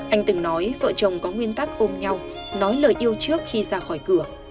anh từng nói vợ chồng có nguyên tắc ôm nhau nói lời yêu trước khi ra khỏi cửa